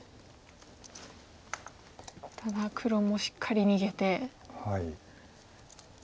ただ黒もしっかり逃げて。